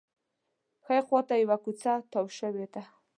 ښي خوا ته یوه کوڅه تاوه شوې ده.